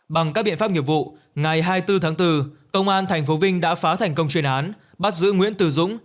bằng các biện pháp nghiệp vụ ngày hai mươi bốn tháng bốn công an tp vinh đã phá thành công chuyên án bắt giữ nguyễn từ dũng